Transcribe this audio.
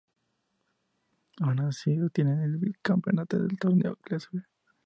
Aun así obtiene el vicecampeonato del Torneo Clausura.